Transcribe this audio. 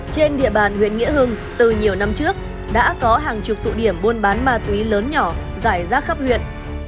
trên địa bàn huyện nghĩa hưng từ nhiều năm trước đã có hàng chục tụ điểm buôn bán ma túy lớn nhỏ giải rác khắp huyện